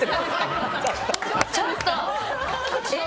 ちょっと！